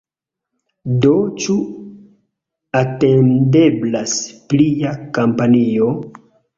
Do ĉu atendeblas plia kampanjo?